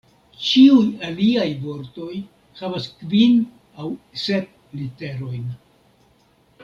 Ĉiuj aliaj vortoj havas kvin aŭ sep literojn.